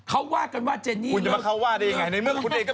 เขาว่ากันว่าเจนนี่เลิกกึ้ง